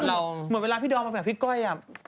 เหมือนเวลาพี่ดอมกับพี่ก้อยอ่ะ